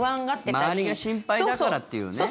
周りが心配だからっていうね。